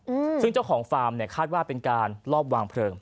อืมซึ่งเจ้าของฟาร์มเนี้ยคาดว่าเป็นการลอบวางเพลิง